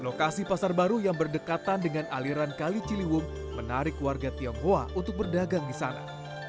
lokasi pasar baru yang berdekatan dengan aliran kali ciliwung menarik warga tionghoa untuk berdagang di sana